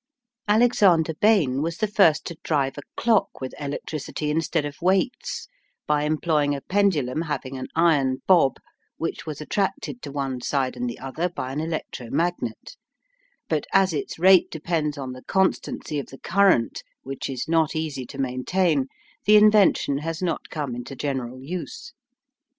Alexander Bain was the first to drive a clock with electricity instead of weights, by employing a pendulum having an iron bob, which was attracted to one side and the other by an electromagnet, but as its rate depends on the constancy of the current, which is not easy to maintain, the invention has not come into general use.